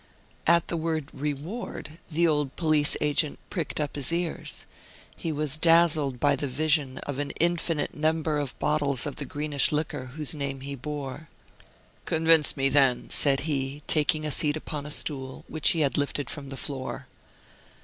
At the word "reward" the old police agent pricked up his ears. He was dazzled by the vision of an infinite number of bottles of the greenish liquor whose name he bore. "Convince me, then," said he, taking a seat upon a stool, which he had lifted from the floor.